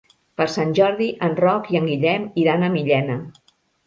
Per Sant Jordi en Roc i en Guillem iran a Millena.